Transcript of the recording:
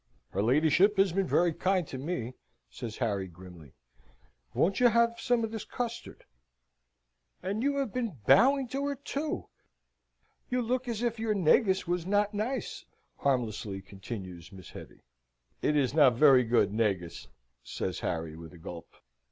"Her ladyship has been very kind to me," says Harry, grimly. "Won't you have some of this custard?" "And you have been bowing to her, too! You look as if your negus was not nice," harmlessly continues Miss Hetty. "It is not very good negus," says Harry, with a gulp.